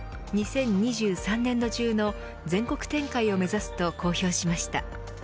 ２０２３年度中の全国展開を目指すと公表しました。